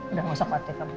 udah ngusok waktu kamu